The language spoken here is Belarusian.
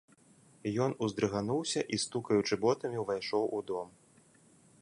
Ён уздрыгануўся і стукаючы ботамі ўвайшоў у дом.